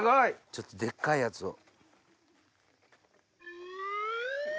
ちょっとでっかいやつを。